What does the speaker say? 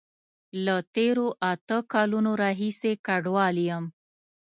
له تیرو اته کالونو راهیسی کډوال یم